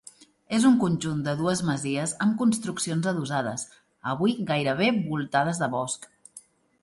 És un conjunt de dues masies amb construccions adossades, avui gairebé voltades de bosc.